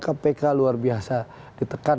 kpk luar biasa ditekan